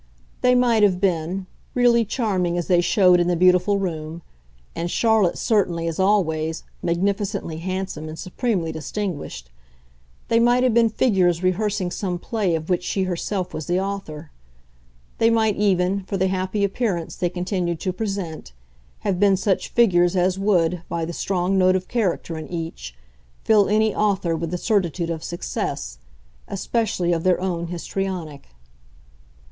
They might have been really charming as they showed in the beautiful room, and Charlotte certainly, as always, magnificently handsome and supremely distinguished they might have been figures rehearsing some play of which she herself was the author; they might even, for the happy appearance they continued to present, have been such figures as would, by the strong note of character in each, fill any author with the certitude of success, especially of their own histrionic.